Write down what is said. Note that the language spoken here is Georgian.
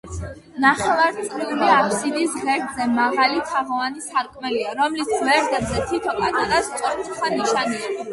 ნახევარწრიული აფსიდის ღერძზე მაღალი თაღოვანი სარკმელია, რომლის გვერდებზე თითო პატარა სწორკუთხა ნიშია.